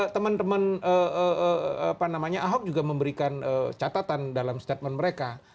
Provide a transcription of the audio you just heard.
teman teman ahok juga memberikan catatan dalam statement mereka